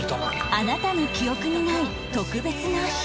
あなたの記憶にない特別な日